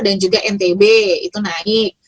dan juga ntb itu naik